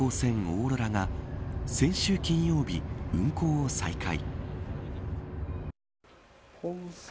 おーろらが先週金曜日、運航を再開。